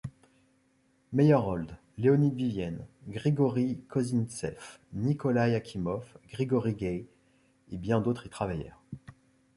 Meyerhold, Léonide Vivien, Grigori Kozintsev, Nikolaï Akimov, Grigori Gay et bien d'autres y travaillèrent.